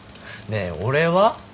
ねえ俺は？